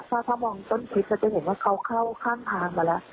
ถ้ามองต้นคลิปก็จะเห็นว่าเขาเข้าข้างทางมาแล้ว